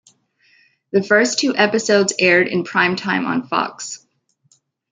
The first two episodes aired in primetime on Fox.